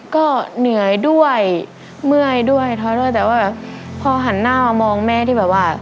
ก็เหนื่อยด้วยเมื่อยด้วยท้อด้วยแต่ว่าพอหันหน้ามามองแม่ที่แบบว่า